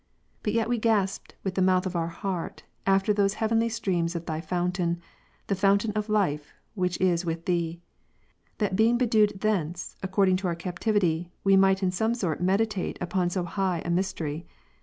But yet we gasped with the mouth of our heart, after those heavenly streams of Thy fountain, the fountain of life, which is ivith Thee; that being Ps. 36, 9. bedewed thence according to our capacity, we might in some sort meditate upon so high a mystery.